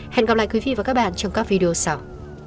hẹn gặp lại quý vị và các bạn trong các video sau